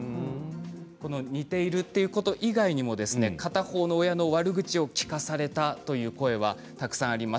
この似ているということ以外にも片方の親の悪口を聞かされたという声がたくさんあります。